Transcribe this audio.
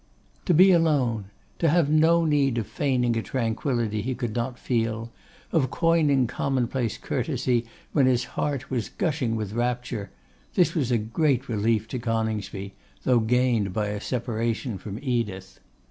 To be alone; to have no need of feigning a tranquillity he could not feel; of coining common place courtesy when his heart was gushing with rapture; this was a great relief to Coningsby, though gained by a separation from Edith.